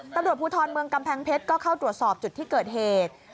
ตำรวจภูทรเมืองกำแพงเพชรก็เข้าตรวจสอบจุดที่เกิดเหตุ